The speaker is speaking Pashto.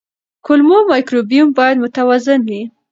کولمو مایکروبیوم باید متوازن وي.